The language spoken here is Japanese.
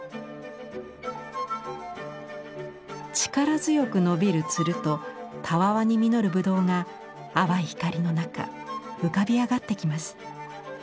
力強く伸びる蔓とたわわに実る葡萄が淡い光の中浮かび上がってきます。